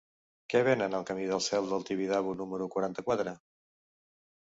Què venen al camí del Cel del Tibidabo número quaranta-quatre?